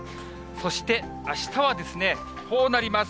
そしてあしたはこうなります。